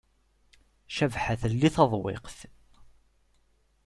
Cabḥa telli taḍwiqt.